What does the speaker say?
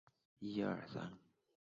死后追赠正二位。